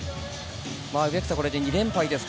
植草これで２連敗です。